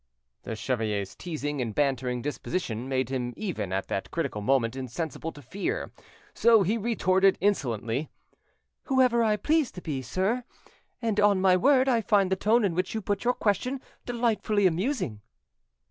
The chevalier's teasing and bantering disposition made him even at that critical moment insensible to fear, so he retorted insolently— "Whoever I please to be, sir; and on my word I find the tone in which you put your question delightfully amusing."